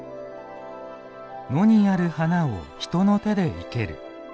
野にある花を人の手で生ける。